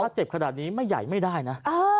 ถ้าเจ็บขนาดนี้ไม่ใหญ่ไม่ได้นะ